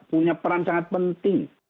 punya peran sangat penting